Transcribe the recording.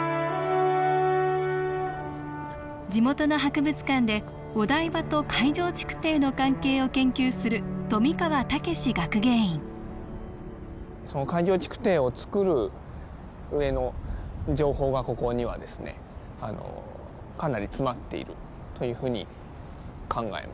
地元の博物館でお台場と海上築堤の関係を研究する冨川武史学芸員その海上築堤を造るうえの情報がここにはですねかなり詰まっているというふうに考えます。